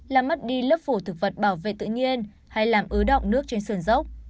làm mất đi lớp phủ thực vật bảo vệ tự nhiên hay làm ứ động nước trên sườn dốc